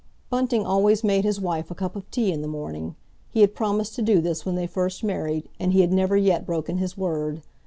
Bunting always made his wife a cup of tea in the morning. He had promised to do this when they first married, and he had never yet broken his word.